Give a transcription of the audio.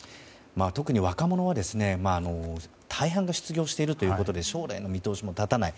特に若者は大半が失業しているということで将来の見通しも立たない。